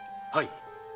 はい。